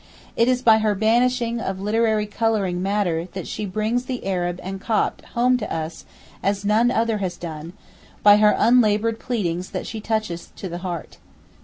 It is by her banishing of literary colouring matter that she brings the Arab and Copt home to us as none other has done, by her unlaboured pleading that she touches to the heart.